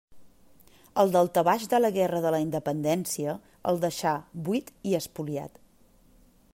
El daltabaix de la guerra de la Independència el deixà buit i espoliat.